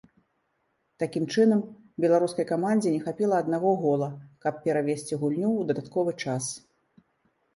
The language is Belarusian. Такім чынам, беларускай камандзе не хапіла аднаго гола, каб перавесці гульню ў дадатковы час.